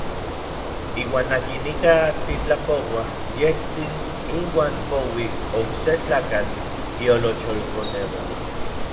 Iuan akin ika titlapouaj, yejtsin inuan poui okse tlakatl iolocholkoneuan.